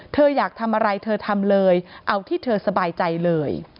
เธออยากทำอะไรเธอทำเลยเอาที่เธอสบายใจเลย